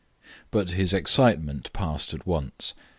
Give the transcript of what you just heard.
But his excitement passed at once.